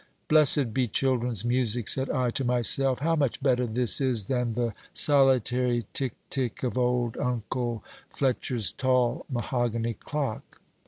"Blessed be children's music!" said I to myself; "how much better this is than the solitary tick, tick, of old Uncle Fletcher's tall mahogany clock!"